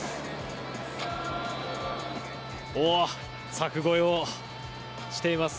柵越えをしています。